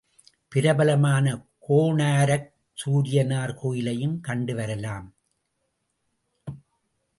பிரபலமான கோனாரக் சூரியனார் கோயிலையும் கண்டு வரலாம்.